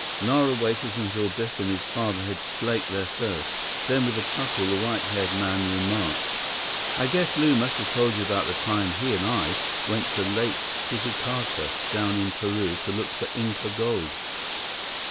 Nara waited until Biff and his father had slaked their thirst. Then, with a chuckle, the white haired man remarked: "I guess Lew must have told you about the time he and I went to Lake Titicaca down in Peru to look for Inca gold?"